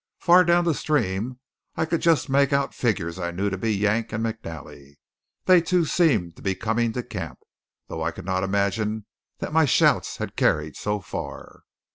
Far down the stream I could just make out figures I knew to be Yank and McNally. They too seemed to be coming to camp, though I could not imagine that my shouts had carried so far.